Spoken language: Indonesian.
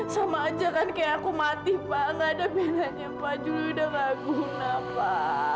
sama aja kan kayak aku mati pak nggak ada peran yang pak julie udah nggak guna pak